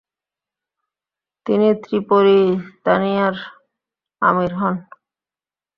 তিনি ত্রিপলিতানিয়ার আমির হন।